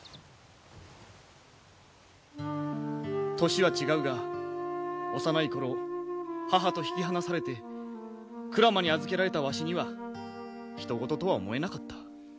年は違うが幼い頃母と引き離されて鞍馬に預けられたわしにはひと事とは思えなかった。